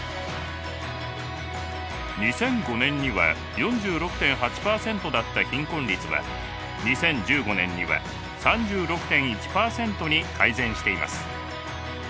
２００５年には４６．８％だった貧困率は２０１５年には３６．１％に改善しています。